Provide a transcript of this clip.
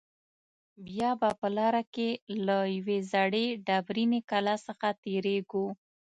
بیا به په لاره کې له یوې زړې ډبرینې کلا څخه تېرېدو.